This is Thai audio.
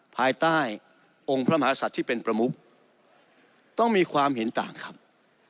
ภายใต้องค์พระมหาศัตริย์ที่เป็นประมุขต้องมีความเห็นต่างครับ